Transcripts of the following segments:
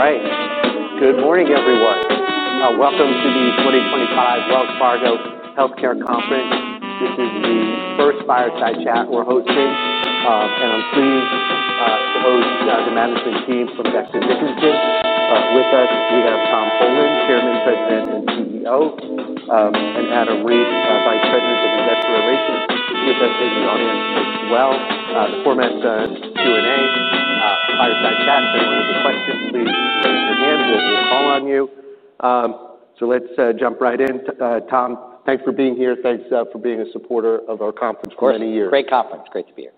All right. Good morning, everyone. Welcome to the 2025 Wells Fargo Healthcare Conference. This is the first fireside chat we're hosting, and I'm pleased to host the management team from Becton, Dickinson and Company with us. We have Tom Polen, Chairman, President, and CEO, and Adam Reid, Vice President of Investor Relations. To the audience as well, the format is Q&A, fireside chat. If you have a question, please raise your hand. We'll call on you. Let's jump right in. Tom, thanks for being here. Thanks for being a supporter of our conference for many years. Great conference, great to be here.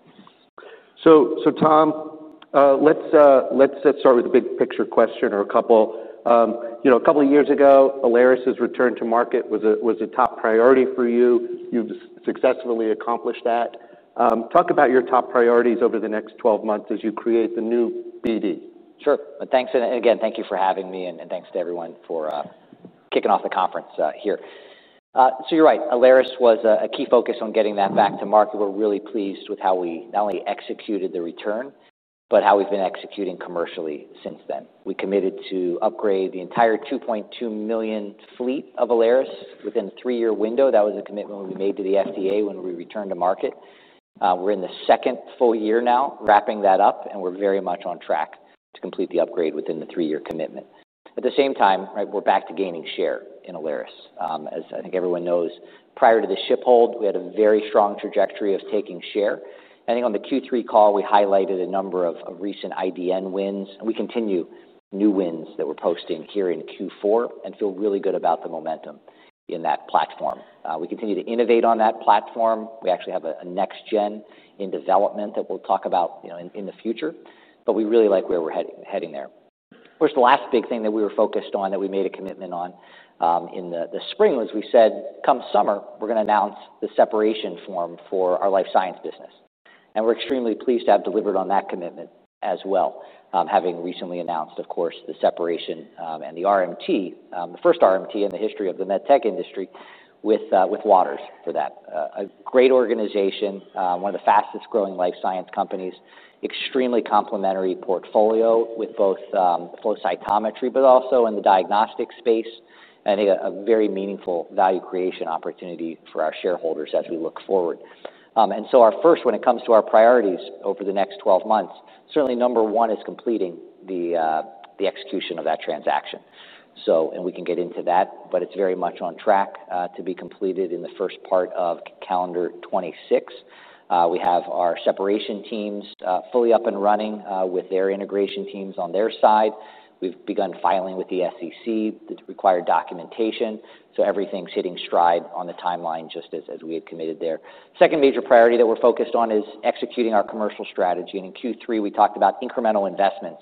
Tom, let's start with a big picture question or a couple. You know, a couple of years ago, BD Alaris' return to market was a top priority for you. You've successfully accomplished that. Talk about your top priorities over the next 12 months as you create the new BD. Sure. Thanks. Thank you for having me, and thanks to everyone for kicking off the conference here. You're right. BD Alaris was a key focus on getting that back to market. We're really pleased with how we not only executed the return, but how we've been executing commercially since then. We committed to upgrade the entire 2.2 million fleet of BD Alaris within a three-year window. That was a commitment we made to the FDA when we returned to market. We're in the second full year now wrapping that up, and we're very much on track to complete the upgrade within the three-year commitment. At the same time, we're back to gaining share in BD Alaris. As I think everyone knows, prior to the shiphold, we had a very strong trajectory of taking share. I think on the Q3 call, we highlighted a number of recent IDN wins, and we continue new wins that we're posting here in Q4 and feel really good about the momentum in that platform. We continue to innovate on that platform. We actually have a next gen in development that we'll talk about in the future. We really like where we're heading there. The last big thing that we were focused on that we made a commitment on in the spring was we said, come summer, we're going to announce the separation form for our life science business. We're extremely pleased to have delivered on that commitment as well, having recently announced the separation and the RMT, the first RMT in the history of the med tech industry with Waters Corporation for that. A great organization, one of the fastest growing life science companies, extremely complementary portfolio with both flow cytometry, but also in the diagnostic space. I think a very meaningful value creation opportunity for our shareholders as we look forward. Our first, when it comes to our priorities over the next 12 months, certainly number one is completing the execution of that transaction. We can get into that, but it's very much on track to be completed in the first part of calendar 2026. We have our separation teams fully up and running with their integration teams on their side. We've begun filing with the SEC the required documentation. Everything's hitting stride on the timeline just as we had committed there. Second major priority that we're focused on is executing our commercial strategy. In Q3, we talked about incremental investments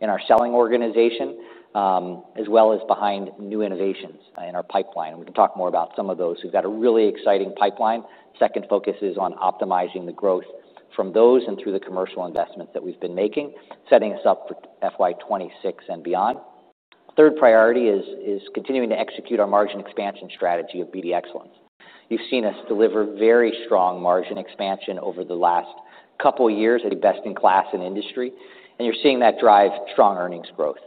in our selling organization, as well as behind new innovations in our pipeline. We can talk more about some of those. We've got a really exciting pipeline. Second focus is on optimizing the growth from those and through the commercial investments that we've been making, setting us up for FY 2026 and beyond. Third priority is continuing to execute our margin expansion strategy of BD Excellence. You've seen us deliver very strong margin expansion over the last couple of years at the best in class in industry. You're seeing that drive strong earnings growth,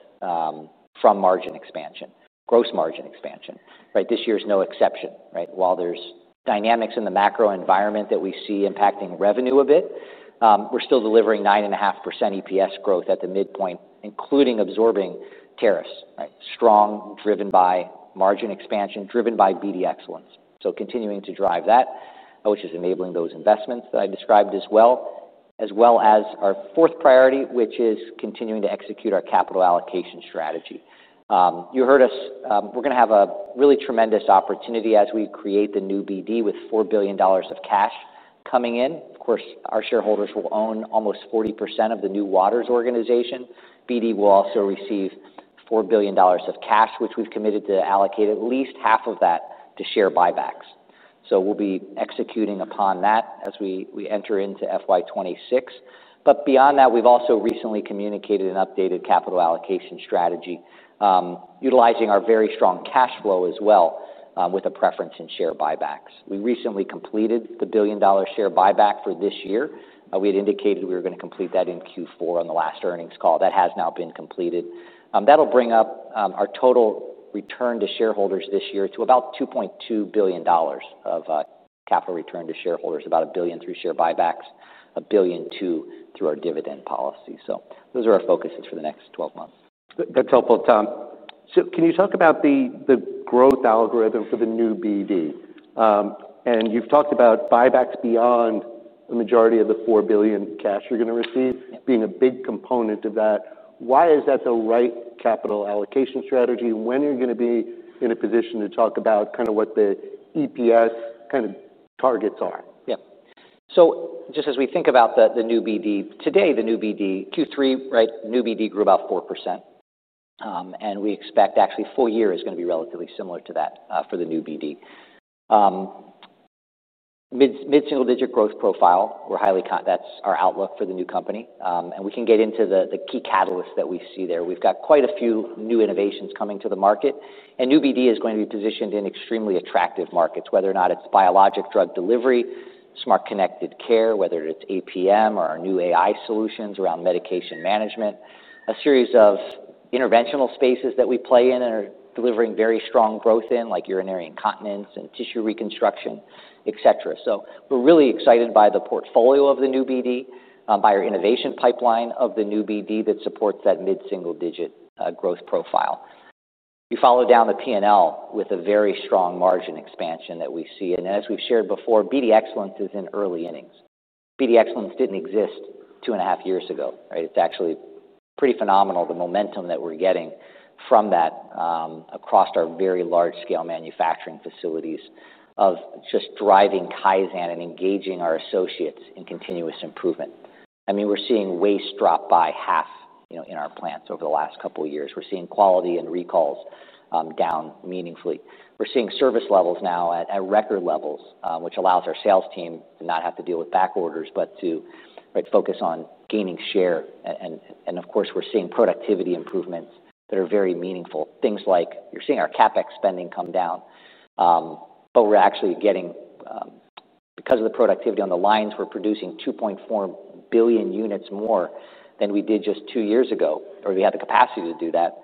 from margin expansion, gross margin expansion, right? This year's no exception, right? While there's dynamics in the macro environment that we see impacting revenue a bit, we're still delivering 9.5% EPS growth at the midpoint, including absorbing tariffs, right? Strong, driven by margin expansion, driven by BD Excellence. Continuing to drive that, which is enabling those investments that I described as well, as well as our fourth priority, which is continuing to execute our capital allocation strategy. You heard us, we're going to have a really tremendous opportunity as we create the new BD with $4 billion of cash coming in. Of course, our shareholders will own almost 40% of the new Waters Corporation organization. BD will also receive $4 billion of cash, which we've committed to allocate at least half of that to share buybacks. We'll be executing upon that as we enter into FY 2026. Beyond that, we've also recently communicated an updated capital allocation strategy, utilizing our very strong cash flow as well, with a preference in share buybacks. We recently completed the $1 billion share buyback for this year. We had indicated we were going to complete that in Q4 on the last earnings call. That has now been completed. That'll bring up our total return to shareholders this year to about $2.2 billion of capital return to shareholders, about $1 billion through share buybacks, $1 billion through our dividend policy. Those are our focuses for the next 12 months. That's helpful, Tom. Can you talk about the growth algorithm for the new BD? You've talked about buybacks beyond the majority of the $4 billion cash you're going to receive being a big component of that. Why is that the right capital allocation strategy when you're going to be in a position to talk about kind of what the EPS kind of targets are? Yeah. Just as we think about the new BD, today, the new BD Q3, right, new BD grew about 4%. We expect actually full year is going to be relatively similar to that for the new BD. Mid-single-digit growth profile, we're highly that's our outlook for the new company. We can get into the key catalysts that we see there. We've got quite a few new innovations coming to the market. New BD is going to be positioned in extremely attractive markets, whether or not it's biologic drug delivery, smart connected care, whether it's APM or new AI solutions around medication management, a series of interventional spaces that we play in and are delivering very strong growth in, like urinary incontinence and tissue reconstruction, et cetera. We're really excited by the portfolio of the new BD, by our innovation pipeline of the new BD that supports that mid-single-digit growth profile. You follow down the P&L with a very strong margin expansion that we see. As we've shared before, BD Excellence is in early innings. BD Excellence didn't exist two and a half years ago, right? It's actually pretty phenomenal, the momentum that we're getting from that, across our very large-scale manufacturing facilities of just driving ties in and engaging our associates in continuous improvement. We're seeing waste drop by half, you know, in our plants over the last couple of years. We're seeing quality and recalls, down meaningfully. We're seeing service levels now at record levels, which allows our sales team to not have to deal with back orders, but to, right, focus on gaining share. Of course, we're seeing productivity improvements that are very meaningful. Things like you're seeing our CapEx spending come down, but we're actually getting, because of the productivity on the lines, we're producing 2.4 billion units more than we did just two years ago, or we have the capacity to do that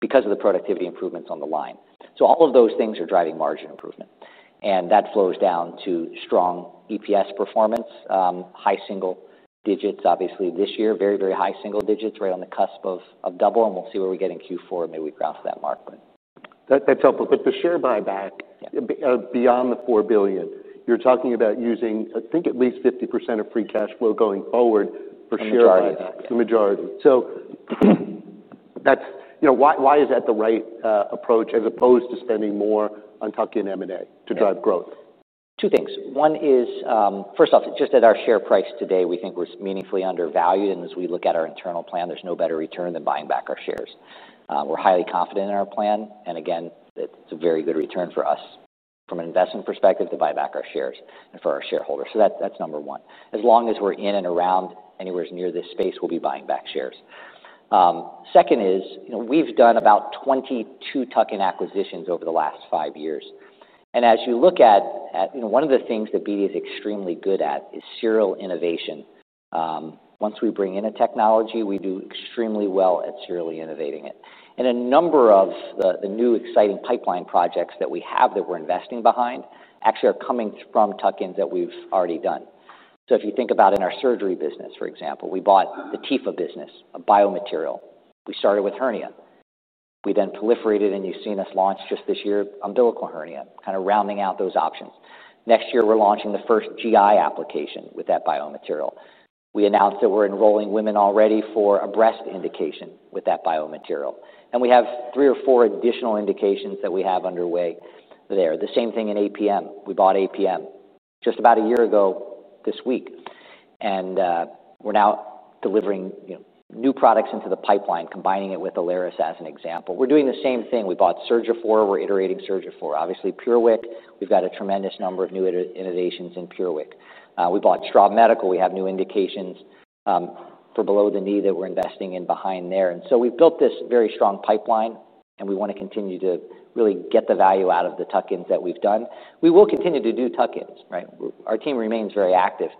because of the productivity improvements on the line. All of those things are driving margin improvement. That flows down to strong EPS performance, high single digits, obviously this year, very, very high single digits, right on the cusp of double. We'll see where we get in Q4 and maybe we ground to that mark. That's helpful. The share buyback, beyond the $4 billion, you're talking about using, I think, at least 50% of free cash flow going forward for share buyback, the majority. Why is that the right approach as opposed to spending more on talking M&A to drive growth? Two things. One is, first off, just at our share price today, we think we're meaningfully undervalued. As we look at our internal plan, there's no better return than buying back our shares. We're highly confident in our plan. It's a very good return for us from an investment perspective to buy back our shares and for our shareholders. That's number one. As long as we're in and around anywhere near this space, we'll be buying back shares. Second is, we've done about 22 tuck-in acquisitions over the last five years. As you look at, one of the things that BD is extremely good at is serial innovation. Once we bring in a technology, we do extremely well at serially innovating it. A number of the new exciting pipeline projects that we have that we're investing behind actually are coming from tuck-ins that we've already done. If you think about in our Surgery business, for example, we bought the TIFA business, a biomaterial. We started with hernia. We then proliferated, and you've seen us launch just this year, umbilical hernia, kind of rounding out those options. Next year, we're launching the first GI application with that biomaterial. We announced that we're enrolling women already for a breast indication with that biomaterial. We have three or four additional indications that we have underway there. The same thing in APM. We bought APM just about a year ago this week. We're now delivering new products into the pipeline, combining it with BD Alaris as an example. We're doing the same thing. We bought Surgiflo. We're iterating Surgiflo. Obviously, PureWick. We've got a tremendous number of new innovations in PureWick. We bought Straub Medical. We have new indications for below the knee that we're investing in behind there. We've built this very strong pipeline, and we want to continue to really get the value out of the tuck-ins that we've done. We will continue to do tuck-ins. Our team remains very active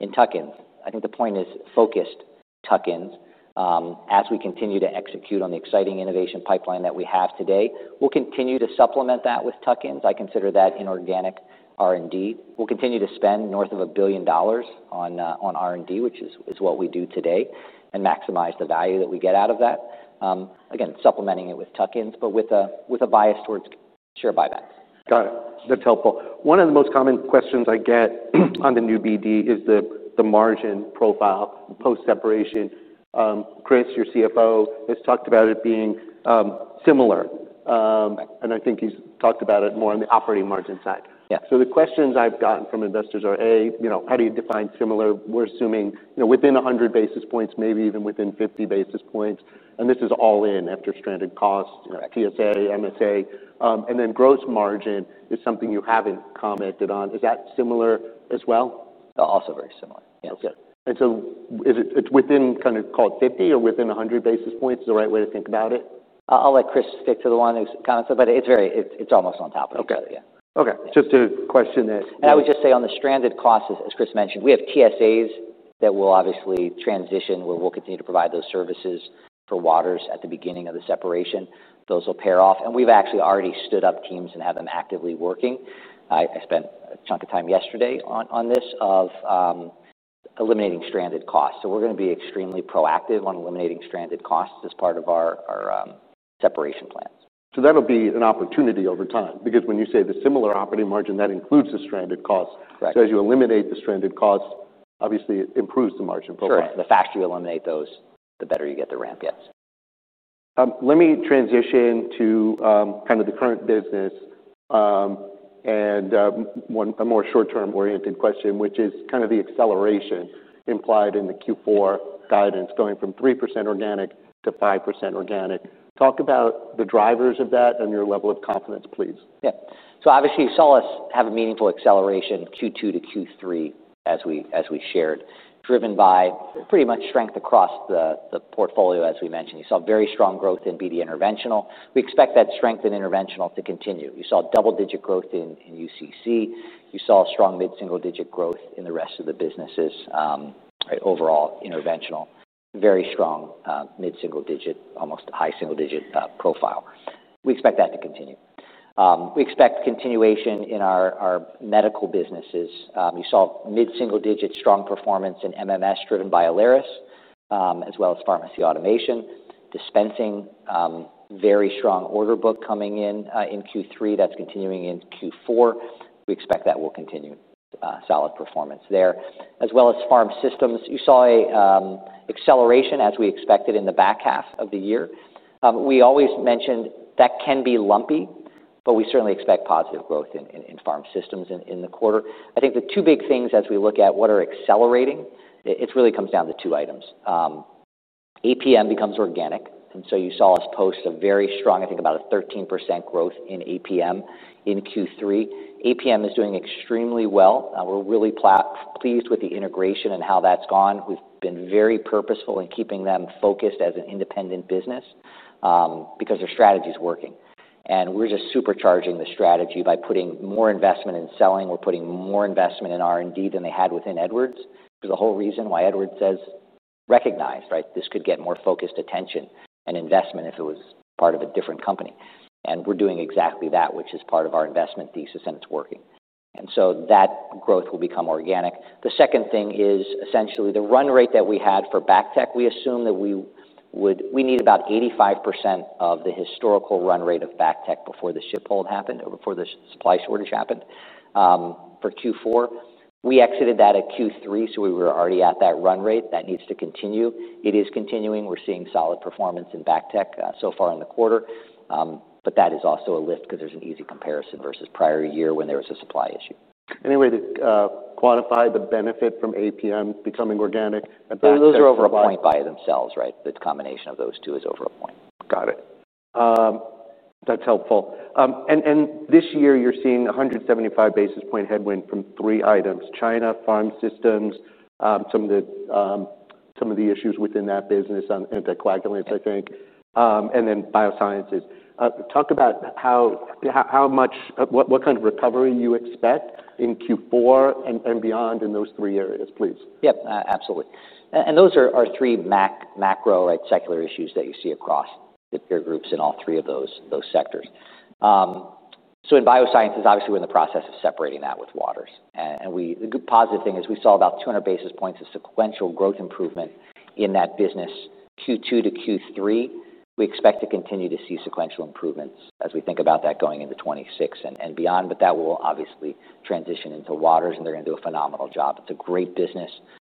in tuck-ins. I think the point is focused tuck-ins, as we continue to execute on the exciting innovation pipeline that we have today. We'll continue to supplement that with tuck-ins. I consider that inorganic R&D. We'll continue to spend north of $1 billion on R&D, which is what we do today, and maximize the value that we get out of that, again, supplementing it with tuck-ins, but with a bias towards share buybacks. Got it. That's helpful. One of the most common questions I get on the new BD is the margin profile post-separation. Chris, your CFO, has talked about it being similar, and I think he's talked about it more on the operating margin side. The questions I've gotten from investors are, A, you know, how do you define similar? We're assuming, you know, within 100 basis points, maybe even within 50 basis points. This is all in after stranded costs, you know, TSA, MSA. Gross margin is something you haven't commented on. Is that similar as well? Also very similar. Okay, is it within, kind of, call it 50 or within 100 basis points, is the right way to think about it? I'll let Chris stick to the one that's gone so far, but it's very, it's almost on top of it. Okay. Okay. Just a question there. I would just say on the stranded costs, as Chris mentioned, we have TSAs that will obviously transition. We'll continue to provide those services for Waters at the beginning of the separation. Those will pair off. We've actually already stood up teams and have them actively working. I spent a chunk of time yesterday on this, eliminating stranded costs. We're going to be extremely proactive on eliminating stranded costs as part of our separation plans. That'll be an opportunity over time because when you say the similar operating margin, that includes the stranded costs. Right. As you eliminate the stranded costs, obviously it improves the margin profile. Sure. The faster you eliminate those, the better you get the ramp. Let me transition to the current business and a more short-term oriented question, which is the acceleration implied in the Q4 guidance going from 3% organic to 5% organic. Talk about the drivers of that and your level of confidence, please. Yeah. Obviously, you saw us have a meaningful acceleration Q2 to Q3, as we shared, driven by pretty much strength across the portfolio, as we mentioned. You saw very strong growth in BD Interventional. We expect that strength in Interventional to continue. You saw double-digit growth in UCC, you saw strong mid-single-digit growth in the rest of the businesses, right, overall Interventional, very strong, mid-single-digit, almost high single-digit profile. We expect that to continue. We expect continuation in our medical businesses. You saw mid-single-digit strong performance in MMS driven by BD Alaris, as well as pharmacy automation, dispensing, very strong order book coming in, in Q3. That's continuing in Q4. We expect that will continue, solid performance there, as well as pharma systems. You saw an acceleration as we expected in the back half of the year. We always mentioned that can be lumpy, but we certainly expect positive growth in pharma systems in the quarter. I think the two big things as we look at what are accelerating, it really comes down to two items. APM becomes organic. You saw us post a very strong, I think about a 13% growth in APM in Q3. APM is doing extremely well. We're really pleased with the integration and how that's gone. We've been very purposeful in keeping them focused as an independent business, because their strategy is working. We're just supercharging the strategy by putting more investment in selling. We're putting more investment in R&D than they had within Edwards. The whole reason why Edwards recognized this could get more focused attention and investment if it was part of a different company. We're doing exactly that, which is part of our investment thesis, and it's working. That growth will become organic. The second thing is essentially the run rate that we had for BACTEC. We assume that we would need about 85% of the historical run rate of BACTEC before the ship hold happened or before the supply shortage happened, for Q4. We exited that at Q3, so we were already at that run rate. That needs to continue. It is continuing. We're seeing solid performance in BACTEC so far in the quarter, but that is also a lift because there's an easy comparison versus prior year when there was a supply issue. Any way to quantify the benefit from APM becoming organic? Those are over a point by themselves, right? The combination of those two is over a point. Got it. That's helpful. This year you're seeing a 175 basis point headwind from three items: China, pharma systems, some of the issues within that business on anticoagulants, I think, and then biosciences. Talk about how much, what kind of recovery you expect in Q4 and beyond in those three areas, please. Yep, absolutely. Those are our three macro secular issues that you see across the peer groups in all three of those sectors. In BD Biosciences, obviously, we're in the process of separating that with Waters Corporation. The good positive thing is we saw about 200 basis points of sequential growth improvement in that business Q2 to Q3. We expect to continue to see sequential improvements as we think about that going into 2026 and beyond. That will obviously transition into Waters Corporation, and they're going to do a phenomenal job. It's a great business.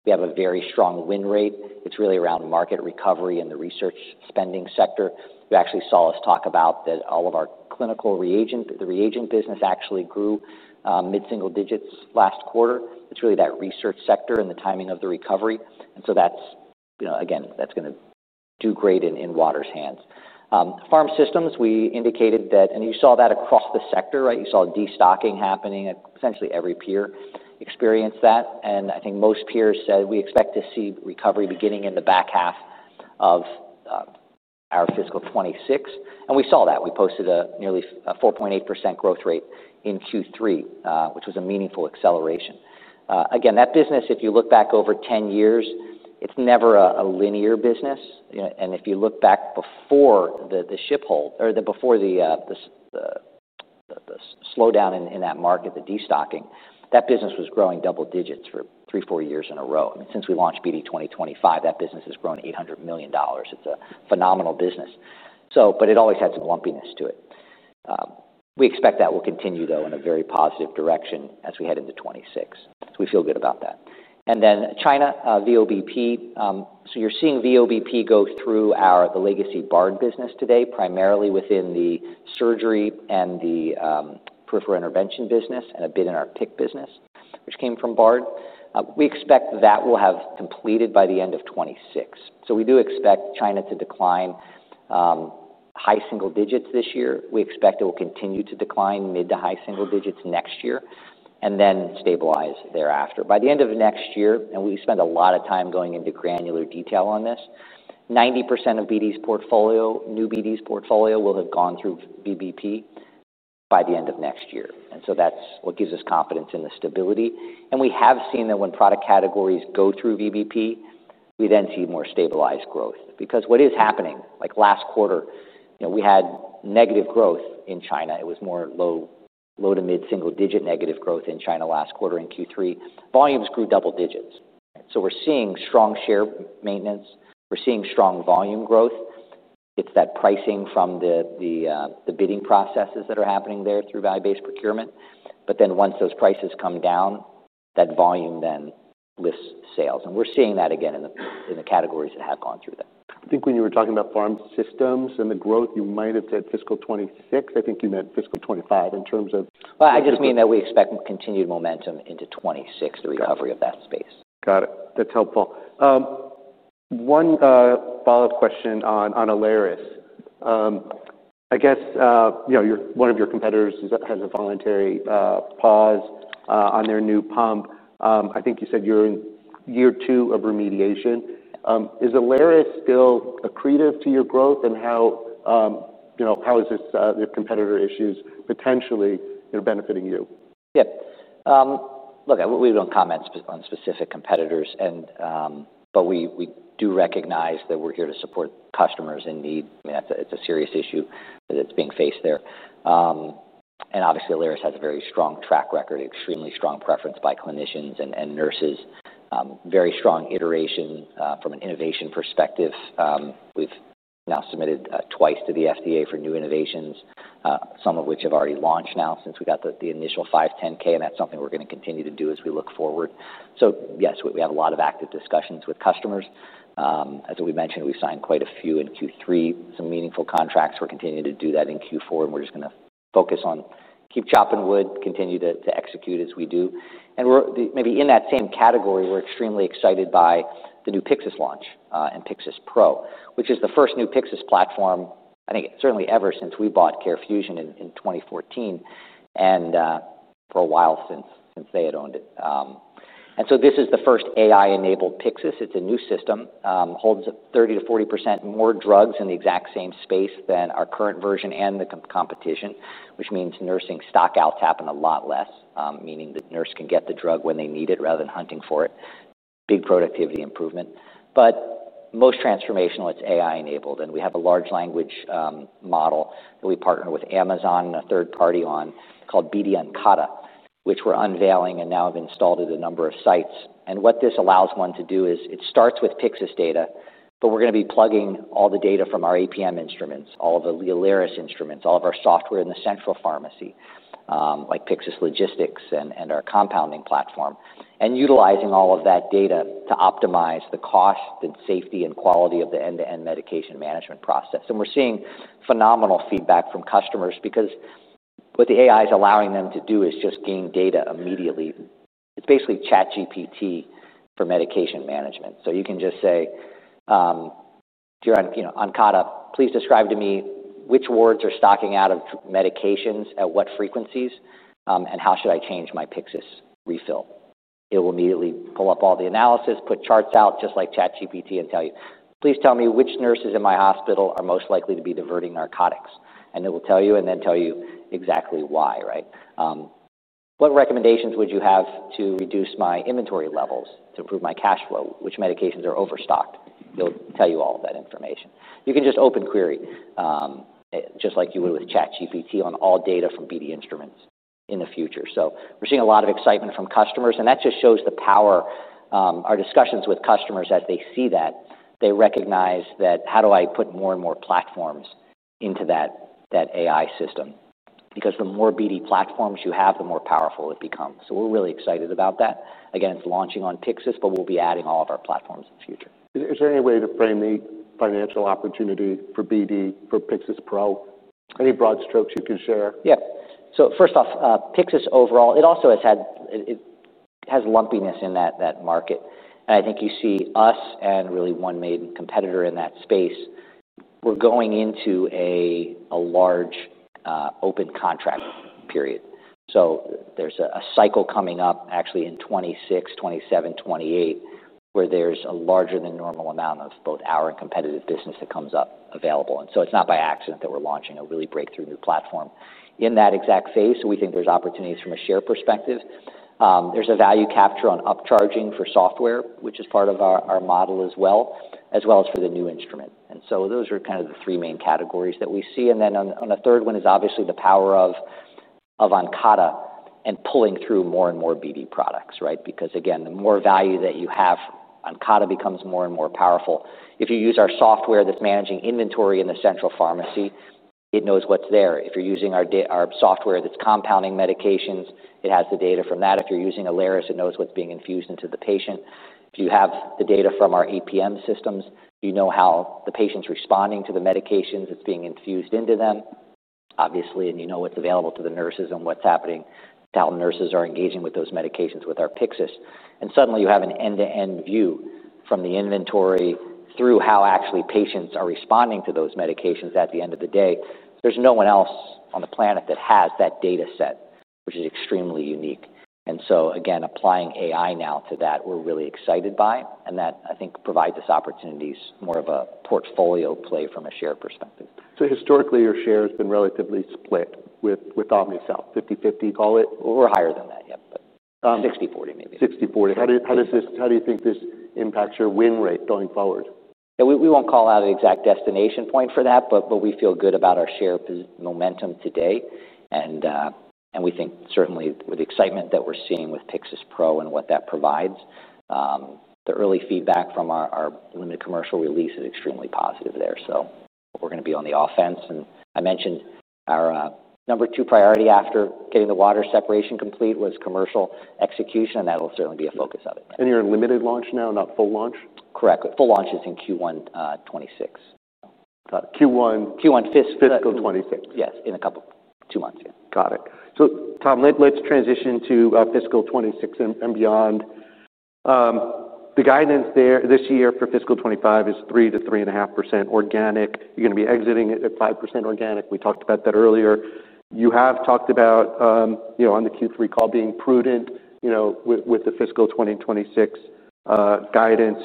We have a very strong win rate. It's really around market recovery in the research spending sector. You actually saw us talk about that all of our clinical reagent, the reagent business actually grew mid-single digits last quarter. It's really that research sector and the timing of the recovery. That's going to do great in Waters Corporation's hands. Pharma systems, we indicated that, and you saw that across the sector, right? You saw destocking happening. Essentially, every peer experienced that. I think most peers said we expect to see recovery beginning in the back half of our fiscal 2026. We saw that. We posted a nearly 4.8% growth rate in Q3, which was a meaningful acceleration. That business, if you look back over 10 years, it's never a linear business. If you look back before the shiphold or before the slowdown in that market, the destocking, that business was growing double digits for three, four years in a row. Since we launched BD 2025, that business has grown $800 million. It's a phenomenal business, but it always had some lumpiness to it. We expect that will continue, though, in a very positive direction as we head into 2026. We feel good about that. Then China, VBP. You're seeing value-based procurement go through our legacy Bard business today, primarily within the surgery and the peripheral intervention business and a bit in our PIC business, which came from Bard. We expect that will have completed by the end of 2026. We do expect China to decline high single digits this year. We expect it will continue to decline mid to high single digits next year and then stabilize thereafter. By the end of next year, and we spend a lot of time going into granular detail on this, 90% of BD's portfolio, new BD's portfolio, will have gone through VBP by the end of next year. That's what gives us confidence in the stability. We have seen that when product categories go through VBP, we then see more stabilized growth. What is happening, like last quarter, we had negative growth in China. It was more low to mid single digit negative growth in China last quarter in Q3. Volumes grew double digits. We're seeing strong share maintenance and strong volume growth. It's that pricing from the bidding processes that are happening there through value-based procurement. Once those prices come down, that volume then lifts sales. We're seeing that again in the categories that have gone through that. I think when you were talking about pharma systems and the growth, you might have said fiscal 2026. I think you meant fiscal 2025 in terms of. I just mean that we expect continued momentum into 2026, the recovery of that space. Got it. That's helpful. One follow-up question on BD Alaris. I guess, you know, one of your competitors has a voluntary pause on their new pump. I think you said you're in year two of remediation. Is BD Alaris still accretive to your growth and how, you know, how is this, the competitor issues potentially benefiting you? Yeah. Look, we don't comment on specific competitors, but we do recognize that we're here to support customers in need. I mean, it's a serious issue that's being faced there. Obviously, BD Alaris has a very strong track record, extremely strong preference by clinicians and nurses, very strong iteration from an innovation perspective. We've now submitted twice to the FDA for new innovations, some of which have already launched now since we got the initial 510(k), and that's something we're going to continue to do as we look forward. Yes, we have a lot of active discussions with customers. As we mentioned, we signed quite a few in Q3, some meaningful contracts. We're continuing to do that in Q4, and we're just going to focus on keep chopping wood, continue to execute as we do. We're maybe in that same category, we're extremely excited by the new Pyxis launch and Pyxis Pro, which is the first new Pyxis platform, I think certainly ever since we bought CareFusion in 2014 and for a while since they had owned it. This is the first AI-enabled Pyxis. It's a new system, holds 30% to 40% more drugs in the exact same space than our current version and the competition, which means nursing stock outs happen a lot less, meaning the nurse can get the drug when they need it rather than hunting for it. Big productivity improvement. Most transformational, it's AI-enabled, and we have a large language model that we partner with Amazon and a third party on called BD Oncura, which we're unveiling and now have installed at a number of sites. What this allows one to do is it starts with Pyxis data, but we're going to be plugging all the data from our APM instruments, all of the BD Alaris instruments, all of our software in the central pharmacy, like Pyxis Logistics and our compounding platform, and utilizing all of that data to optimize the cost and safety and quality of the end-to-end medication management process. We're seeing phenomenal feedback from customers because what the AI is allowing them to do is just gain data immediately. It's basically ChatGPT for medication management. You can just say, BD Oncura, please describe to me which wards are stocking out of medications at what frequencies, and how should I change my Pyxis refill? It will immediately pull up all the analysis, put charts out just like ChatGPT and tell you, please tell me which nurses in my hospital are most likely to be diverting narcotics. It will tell you and then tell you exactly why, right? What recommendations would you have to reduce my inventory levels to improve my cash flow? Which medications are overstocked? It'll tell you all of that information. You can just open query, just like you would with ChatGPT, on all data from BD instruments in the future. We are seeing a lot of excitement from customers, and that just shows the power. Our discussions with customers as they see that, they recognize that, how do I put more and more platforms into that AI system? Because the more BD platforms you have, the more powerful it becomes. We are really excited about that. Again, it's launching on Pyxis, but we'll be adding all of our platforms in the future. Is there any way to frame the financial opportunity for BD for Pyxis Pro? Any broad strokes you can share? Yeah. First off, Pyxis overall, it also has had, it has lumpiness in that market. I think you see us and really one main competitor in that space. We're going into a large, open contract period. There's a cycle coming up actually in 2026, 2027, 2028, where there's a larger than normal amount of both our and competitive business that comes up available. It's not by accident that we're launching a really breakthrough new platform in that exact phase. We think there's opportunities from a share perspective. There's a value capture on upcharging for software, which is part of our model as well, as well as for the new instrument. Those are kind of the three main categories that we see. On a third one is obviously the power of Oncura and pulling through more and more BD products, right? Because again, the more value that you have, Oncura becomes more and more powerful. If you use our software that's managing inventory in the central pharmacy, it knows what's there. If you're using our software that's compounding medications, it has the data from that. If you're using BD Alaris, it knows what's being infused into the patient. If you have the data from our APM systems, you know how the patient's responding to the medications that's being infused into them, obviously, and you know what's available to the nurses and what's happening, how nurses are engaging with those medications with our Pyxis. Suddenly, you have an end-to-end view from the inventory through how actually patients are responding to those medications at the end of the day. There's no one else on the planet that has that data set, which is extremely unique. Again, applying AI now to that, we're really excited by, and that I think provides us opportunities more of a portfolio play from a share perspective. Historically, your share has been relatively split with Omnicell, 50/50, or higher than that yet. 60/40 maybe. 60/40. How does this, how do you think this impacts your win rate going forward? Yeah, we won't call out an exact destination point for that, but we feel good about our share momentum today, and we think certainly with the excitement that we're seeing with Pyxis Pro and what that provides, the early feedback from our limited commercial release is extremely positive there. We're going to be on the offense. I mentioned our number two priority after getting the Waters separation complete was commercial execution, and that'll certainly be a focus of it. Is your limited launch now, not full launch? Correct. Full launch is in Q1 2026. Q1, fiscal 2026. Yes, in a couple, two months. Yeah. Got it. Tom, let's transition to fiscal 2026 and beyond. The guidance there this year for fiscal 2025 is 3% - 3.5% organic. You're going to be exiting it at 5% organic. We talked about that earlier. You have talked about, you know, on the Q3 call being prudent, you know, with the fiscal 2026 guidance.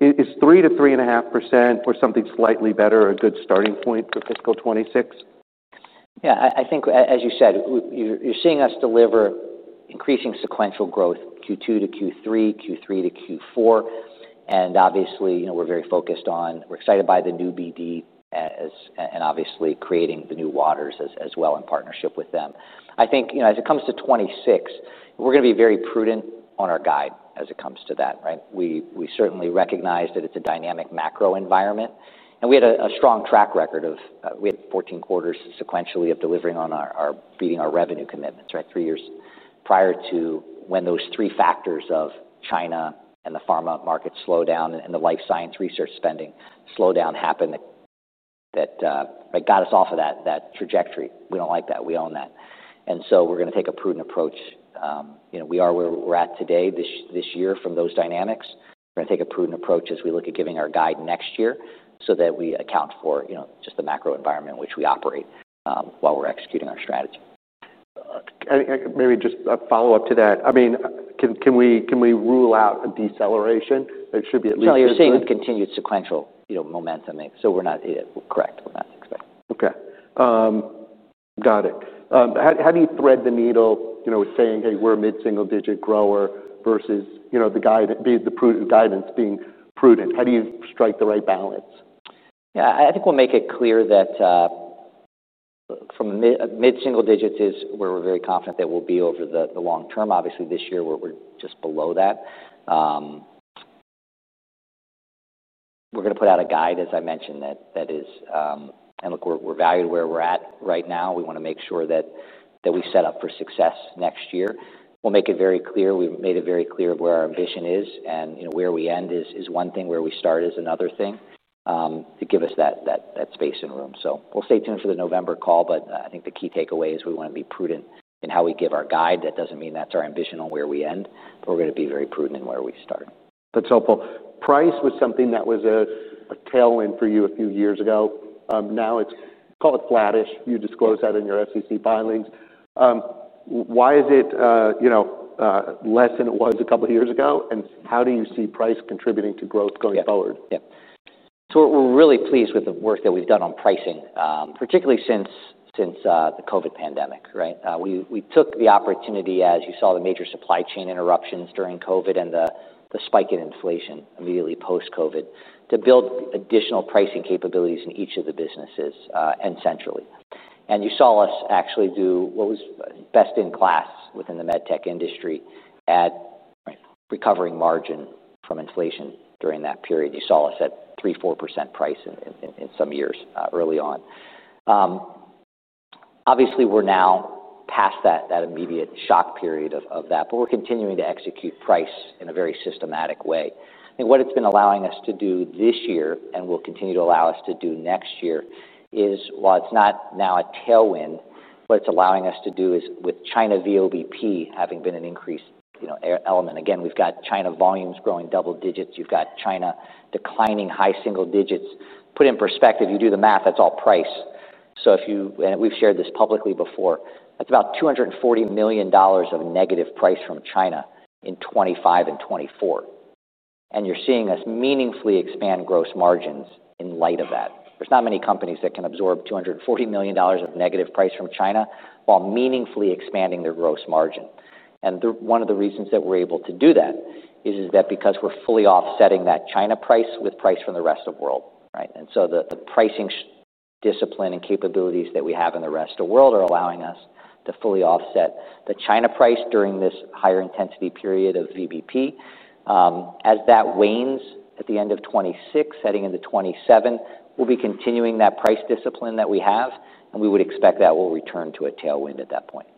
Is 3% - 3.5% or something slightly better a good starting point to fiscal 2026? Yeah, I think, as you said, you're seeing us deliver increasing sequential growth Q2 to Q3, Q3 to Q4. Obviously, we're very focused on, we're excited by the new BD, and obviously creating the new Waters as well in partnership with them. I think, as it comes to 2026, we're going to be very prudent on our guide as it comes to that, right? We certainly recognize that it's a dynamic macro environment. We had a strong track record of, we had 14 quarters sequentially of delivering on our, beating our revenue commitments, right? Three years prior to when those three factors of China and the pharma market slowed down and the life science research spending slowed down happened, that got us off of that trajectory. We don't like that. We own that. We're going to take a prudent approach. We are where we're at today this year from those dynamics. We're going to take a prudent approach as we look at giving our guide next year so that we account for just the macro environment in which we operate, while we're executing our strategy. Maybe just a follow-up to that. I mean, can we rule out a deceleration? It should be at least. No, you're seeing continued sequential momentum. We're not correct on that six by. Okay. Got it. How do you thread the needle, you know, with saying, "Hey, we're a mid-single-digit grower," versus, you know, the guidance being prudent? How do you strike the right balance? I think we'll make it clear that from mid-single digits is where we're very confident that we'll be over the long term. Obviously, this year we're just below that. We're going to put out a guide, as I mentioned, that is, and look, we're valued where we're at right now. We want to make sure that we set up for success next year. We'll make it very clear. We've made it very clear where our ambition is and, you know, where we end is one thing, where we start is another thing, to give us that space and room. Stay tuned for the November call. I think the key takeaway is we want to be prudent in how we give our guide. That doesn't mean that's our ambition on where we end, but we're going to be very prudent in where we start. That's helpful. Price was something that was a tailwind for you a few years ago. Now it's called a flattish. You disclose that in your SEC filings. Why is it, you know, less than it was a couple of years ago, and how do you see price contributing to growth going forward? Yeah. We're really pleased with the work that we've done on pricing, particularly since the COVID pandemic, right? We took the opportunity, as you saw the major supply chain interruptions during COVID and the spike in inflation immediately post-COVID, to build additional pricing capabilities in each of the businesses, and centrally. You saw us actually do what was best in class within the med tech industry at recovering margin from inflation during that period. You saw us at 3%, 4% price in some years early on. Obviously, we're now past that immediate shock period of that, but we're continuing to execute price in a very systematic way. What it's been allowing us to do this year, and will continue to allow us to do next year, is while it's not now a tailwind, what it's allowing us to do is with China VBP having been an increased element. Again, we've got China volumes growing double digits. You've got China declining high single digits. Put in perspective, you do the math, that's all price. If you, and we've shared this publicly before, it's about $240 million of negative price from China in 2025 and 2024. You're seeing us meaningfully expand gross margins in light of that. There's not many companies that can absorb $240 million of negative price from China while meaningfully expanding their gross margin. One of the reasons that we're able to do that is because we're fully offsetting that China price with price from the rest of the world, right? The pricing discipline and capabilities that we have in the rest of the world are allowing us to fully offset the China price during this higher intensity period of VBP. As that wanes at the end of 2026, heading into 2027, we'll be continuing that price discipline that we have, and we would expect that we'll return to a tailwind at that point.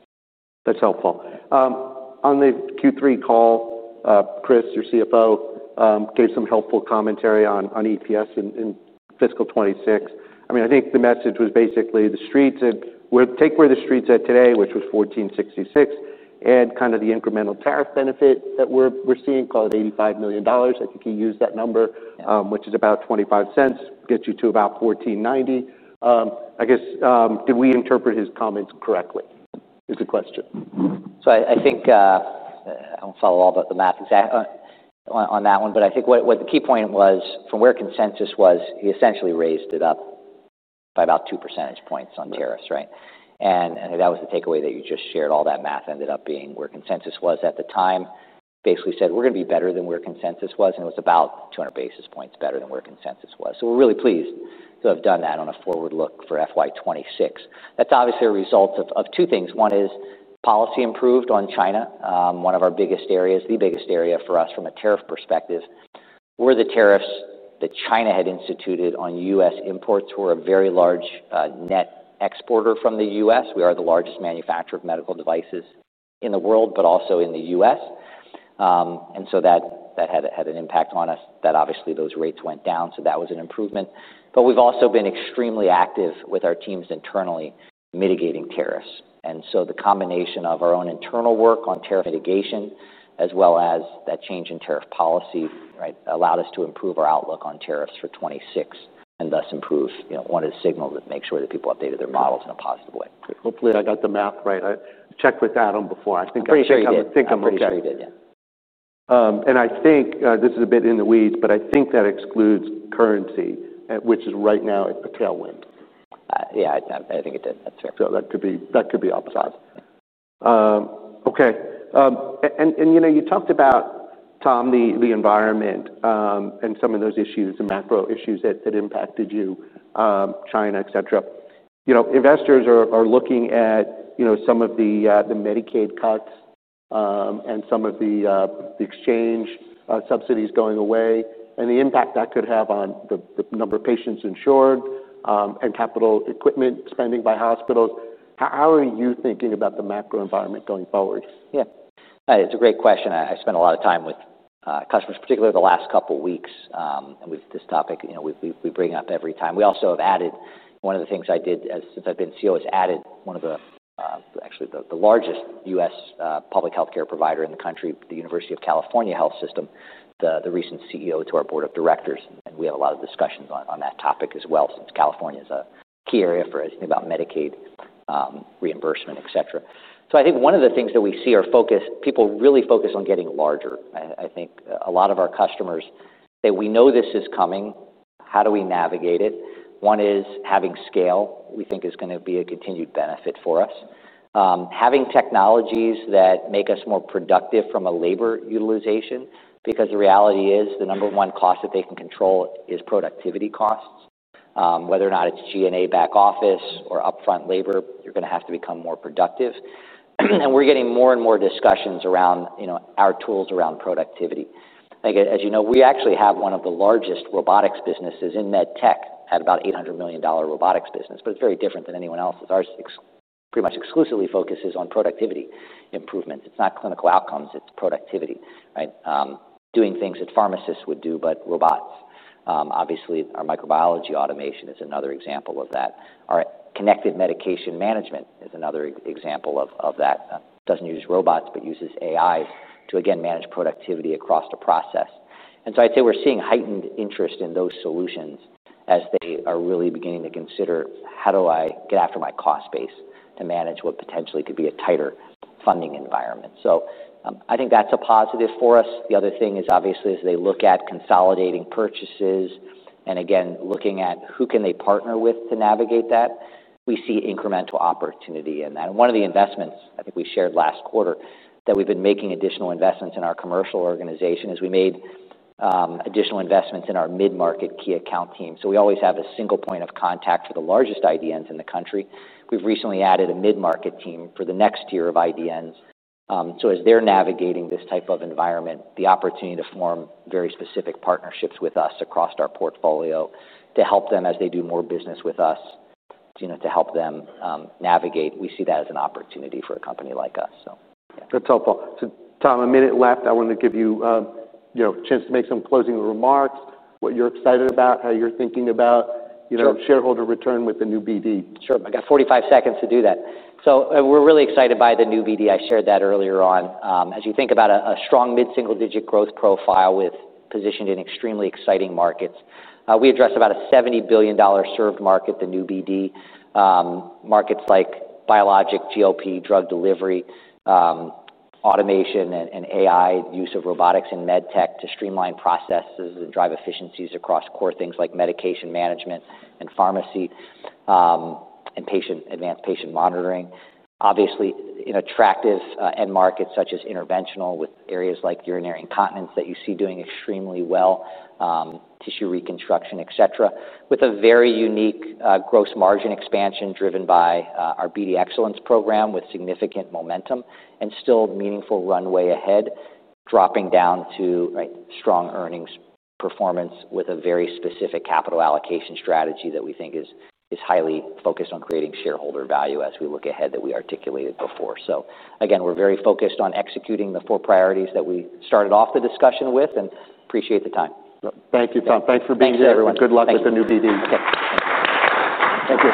That's helpful. On the Q3 call, Chris, your CFO, gave some helpful commentary on EPS in fiscal 2026. I mean, I think the message was basically the Street's at, take where the Street's at today, which was $14.66, and kind of the incremental tariff benefit that we're seeing, called $85 million. I think he used that number, which is about $0.25, gets you to about $14.90. I guess, did we interpret his comments correctly is the question? I don't follow all about the math exactly on that one, but I think what the key point was from where consensus was, he essentially raised it up by about 2% on tariffs, right? I think that was the takeaway that you just shared. All that math ended up being where consensus was at the time, basically said we're going to be better than where consensus was, and it was about 200 basis points better than where consensus was. We're really pleased to have done that on a forward look for FY 2026. That's obviously a result of two things. One is policy improved on China. One of our biggest areas, the biggest area for us from a tariff perspective, were the tariffs that China had instituted on U.S. imports. We're a very large net exporter from the U.S. We are the largest manufacturer of medical devices in the world, but also in the U.S., and so that had an impact on us that obviously those rates went down. That was an improvement. We've also been extremely active with our teams internally mitigating tariffs. The combination of our own internal work on tariff mitigation, as well as that change in tariff policy, allowed us to improve our outlook on tariffs for 2026, and thus improve, you know, wanted to signal that make sure that people updated their models in a positive way. Hopefully, I got the math right. I checked with Adam before. I'm pretty sure he did. I think this is a bit in the weeds, but I think that excludes currency, which is right now a tailwind. Yeah, I think it did. That's correct. That could be upside. You talked about, Tom, the environment and some of those issues, the macro issues that impacted you, China, et cetera. Investors are looking at some of the Medicaid cuts and some of the exchange subsidies going away and the impact that could have on the number of patients insured and capital equipment spending by hospitals. How are you thinking about the macro environment going forward? Yeah, it's a great question. I spent a lot of time with customers, particularly the last couple of weeks, and with this topic, we bring up every time. We also have added one of the things I did since I've been CEO is added one of the, actually, the largest U.S. public healthcare provider in the country, the University of California Health System, the recent CEO to our board of directors. We have a lot of discussions on that topic as well since California is a key area for anything about Medicaid reimbursement, etc. I think one of the things that we see are focused, people really focused on getting larger. I think a lot of our customers say we know this is coming. How do we navigate it? One is having scale, we think is going to be a continued benefit for us. Having technologies that make us more productive from a labor utilization, because the reality is the number one cost that they can control is productivity costs. Whether or not it's G&A back office or upfront labor, you're going to have to become more productive. We're getting more and more discussions around our tools around productivity. Like, as you know, we actually have one of the largest robotics businesses in med tech at about $800 million robotics business, but it's very different than anyone else. Ours pretty much exclusively focuses on productivity improvements. It's not clinical outcomes, it's productivity, right? Doing things that pharmacists would do, but robots. Obviously, our microbiology automation is another example of that. Our connected medication management is another example of that. It doesn't use robots, but uses AI to, again, manage productivity across the process. I'd say we're seeing heightened interest in those solutions as they are really beginning to consider how do I get after my cost base to manage what potentially could be a tighter funding environment. I think that's a positive for us. The other thing is obviously as they look at consolidating purchases and again looking at who can they partner with to navigate that, we see incremental opportunity in that. One of the investments I think we shared last quarter that we've been making additional investments in our commercial organization is we made additional investments in our mid-market key account team. We always have a single point of contact for the largest IDNs in the country. We've recently added a mid-market team for the next year of IDNs. As they're navigating this type of environment, the opportunity to form very specific partnerships with us across our portfolio to help them as they do more business with us, to help them navigate. We see that as an opportunity for a company like us. That's helpful. Tom, a minute left. I want to give you a chance to make some closing remarks, what you're excited about, how you're thinking about, you know, shareholder return with the new BD. Sure. I got 45 seconds to do that. We're really excited by the new BD. I shared that earlier on. As you think about a strong mid-single-digit growth profile with positioned in extremely exciting markets, we address about a $70 billion served market, the new BD. Markets like biologic, GLP, drug delivery, automation, and AI, use of robotics and med tech to streamline processes and drive efficiencies across core things like medication management and pharmacy and advanced patient monitoring. Obviously, in attractive end markets such as interventional with areas like urinary incontinence that you see doing extremely well, tissue reconstruction, et cetera, with a very unique gross margin expansion driven by our BD Excellence program with significant momentum and still meaningful runway ahead, dropping down to strong earnings performance with a very specific capital allocation strategy that we think is highly focused on creating shareholder value as we look ahead that we articulated before. We're very focused on executing the four priorities that we started off the discussion with and appreciate the time. Thank you, Tom. Thanks for being here. Good luck with the new BD. Take care.